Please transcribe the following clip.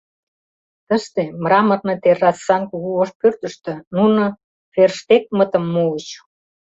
Тыште, мраморный террасан кугу ош пӧртыштӧ, нуно Ферштегмытым муыч.